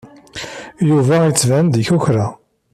Yuba yettban-d ikukra.